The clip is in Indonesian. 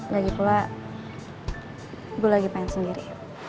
lagipula gue lagi pengen sendiri